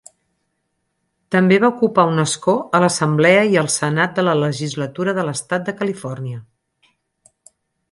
També va ocupar un escó a l'Assemblea i al Senat de la Legislatura de l'Estat de Califòrnia.